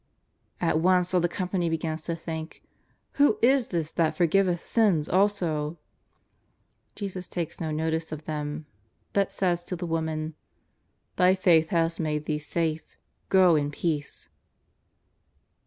At once all the company hegin to think: "Who is this that forgiveth sins also ?" Jesus takes no notice of them, hut says to the woman :" Thy faith hath made thee safe, go in peace."